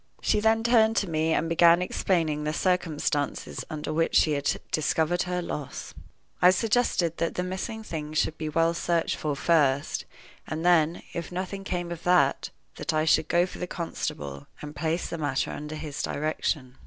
She then turned to me, and began explaining the circumstances under which she had discovered her loss. I suggested that the missing things should be well searched for first, and then, if nothing came of that, that I should go for the constable, and place the matter under his direction.